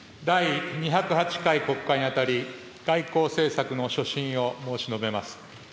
第２０８回国会に当たり、外交政策の所信を申し述べます。